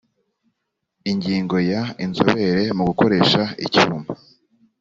ingingo ya inzobere mu gukoresha icyuma